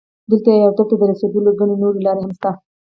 دلته یو هدف ته رسېدو لپاره ګڼې نورې لارې هم شته.